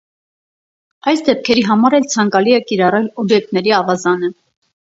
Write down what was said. Այս դեպքերի համար էլ ցանկալի է կիրառել օբյեկտների ավազանը։